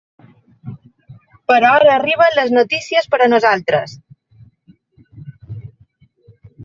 Però ara arriben les notícies per a nosaltres.